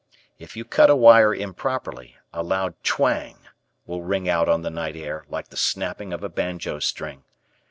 If you cut a wire improperly, a loud twang will ring out on the night air like the snapping of a banjo string.